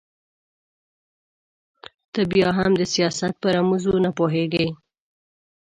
ته بيا هم د سياست په رموزو نه پوهېږې.